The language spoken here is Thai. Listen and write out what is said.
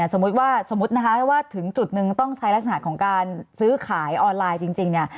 สมมุติว่าถึงจุดหนึ่งต้องใช้รักษณะของการซื้อขายออนไลน์จริง